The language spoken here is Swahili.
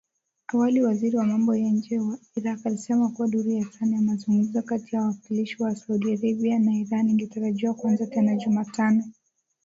Awali waziri wa mambo ya nje wa Irak, alisema kuwa duru ya tano ya mazungumzo kati ya wawakilishi wa Saudi Arabia na Iran ingetarajiwa kuanza tena Jumatano